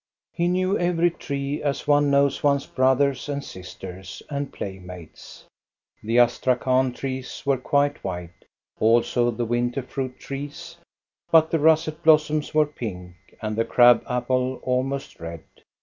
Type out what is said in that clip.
He knew every tree, as one knows 's brothers and sisters and playmates. The astra ihan trees were quite white, also the winter fruit trees. But the russet blossoms were pink, and the crab apple almost red.